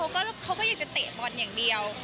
เขาก็อยากจะเตะบอลอย่างเดียว